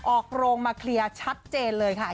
ออกโรงมาเคลียร์ชัดเจนเลยค่ะ